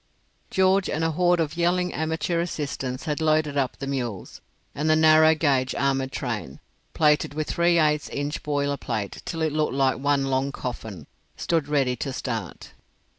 George and a horde of yelling amateur assistants had loaded up the mules, and the narrow gauge armoured train, plated with three eighths inch boiler plate till it looked like one long coffin, stood ready to start.